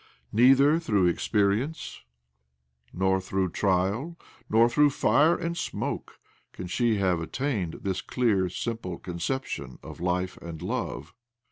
" Neither through experience nor through trial nor through ' fire and smoke ' can she have attained this clear, simple conception of life and of love."